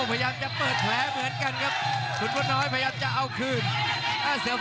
โอ้ยใครดีใครอยู่เลยครับ